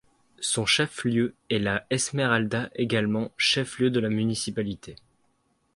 Son chef-lieu est La Esmeralda, également chef-lieu de la municipalité.